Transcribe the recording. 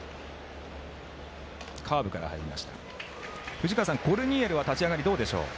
藤川さん、コルニエルは立ち上がり、どうでしょう？